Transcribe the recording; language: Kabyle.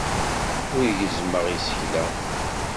Ur gezzmeɣ isekla.